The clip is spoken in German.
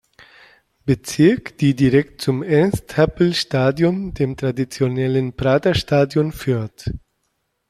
Bezirk, die direkt zum Ernst-Happel-Stadion, dem traditionellen Praterstadion, führt.